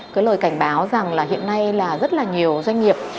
cái lời cảnh báo rằng là hiện nay là rất là nhiều doanh nghiệp